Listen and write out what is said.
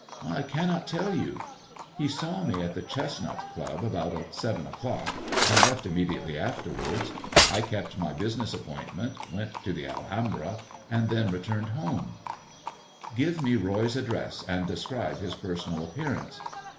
" I cannot tell you. He saw me at the Chestnut Club about seven o'clock, and left immediately afterwards. I kept my business appointment, went to the Alhambra, and then returned home." 258 THE GREEN STONE GOD AND THE STOCKBROKER " Give me Roy's address, and describe his personal ap pearance."